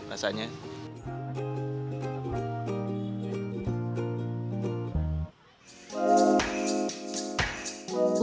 untuk makanan penutup saya memilih kudapan khas jawa barat awuk di awuk cibenying